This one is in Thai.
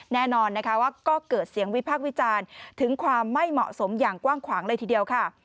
แน่นอนนะคะว่าก็เกิดเสียงวิพากษ์วิจารณ์ถึงความไม่เหมาะสมอย่างกว้างขวางเลยทีเดียวค่ะ